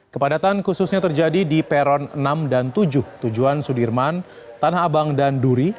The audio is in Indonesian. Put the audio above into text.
kepadatan khususnya terjadi di peron enam dan tujuh tujuan sudirman tanah abang dan duri